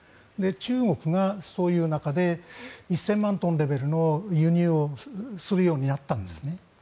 中国がそういう中で１０００万トンレベルの輸入をするようになったんですね。